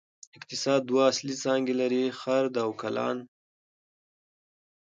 اقتصاد دوه اصلي څانګې لري: خرد او کلان.